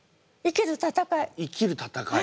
生きる戦い。